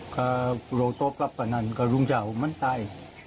ก็เราตบกับกันนั้นก็รุงเจ้ามันตาย